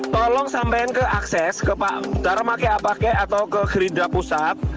tolong sampaikan ke akses ke pak darma k a p k atau ke gerindra pusat